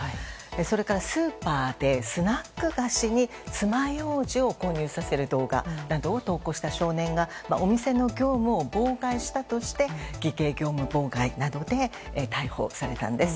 それからスーパーでスナック菓子に、つまようじを混入させる動画などを投稿した少年がお店の業務を妨害したとして偽計業務妨害などで逮捕されたんです。